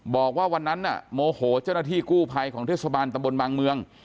บอกว่าวันนั้นน่ะโมโหเจ้าหน้าที่กู้ภัยของเทศบาลตะบนบางเมือง